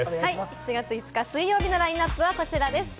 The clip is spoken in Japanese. ７月５日水曜日のラインナップはこちらです。